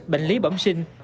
bệnh lý bẩm sinh